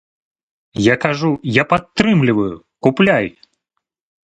Я кажу, я падтрымліваю, купляй.